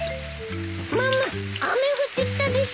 ママ雨降ってきたです！